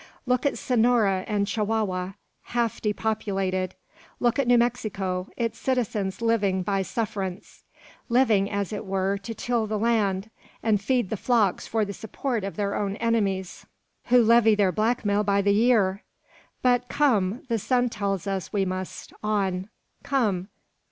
Look at Sonora and Chihuahua, half depopulated! Look at New Mexico; its citizens living by suffrance: living, as it were, to till the land and feed the flocks for the support of their own enemies, who levy their blackmail by the year! But, come; the sun tells us we must on. Come!